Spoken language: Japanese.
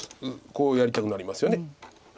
こうやりたくなりますよね。